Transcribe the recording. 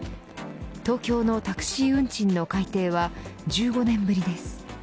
東京のタクシー運賃の改定は１５年ぶりです